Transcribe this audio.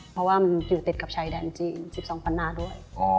เพราะว่ามันอยู่ติดกับชายแดนจีน๑๒ปันนาด้วย